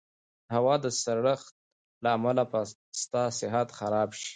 د هوا د سړښت له امله به ستا صحت خراب شي.